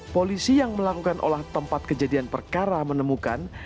polisi yang melakukan olah tempat kejadian perkara menemukan